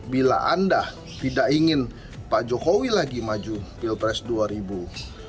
bila anda tidak ingin pak jokowi lagi maju pilpres dua ribu dua puluh empat untuk periode ketiga